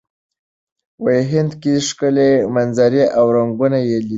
هند کې ښکلې منظرې او رنګونه یې لیدلي.